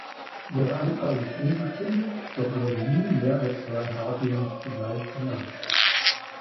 Ihre Anzahl ist unbestimmt, doch werden nie mehr als zwei Harpyien zugleich benannt.